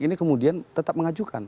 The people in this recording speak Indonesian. ini kemudian tetap mengajukan